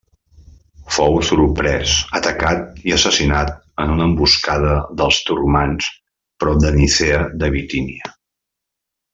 Fou sorprès, atacat i assassinat en una emboscada dels turcmans prop de Nicea de Bitínia.